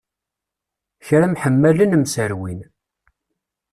Kra mḥemmalen mserwin.